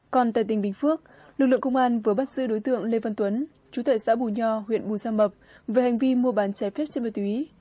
còn tại tỉnh bình phước lực lượng công an vừa bắt giữ đối tượng lê văn tuấn chú tệ xã bù nho huyện bù gia mập về hành vi mua bán trái phép trên ma túy